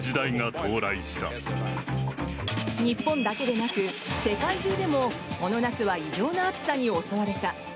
日本だけでなく世界中でもこの夏は異常な暑さに襲われた。